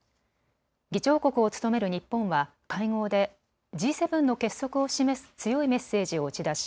議長国を務める日本は会合でＧ７の結束を示す強いメッセージを打ち出し